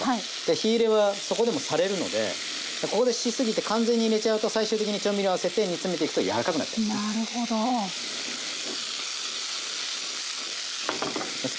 火入れはそこでもされるのでここでしすぎて完全に入れちゃうと最終的に調味料合わせて煮詰めていくとやわらかくなっちゃうんですね。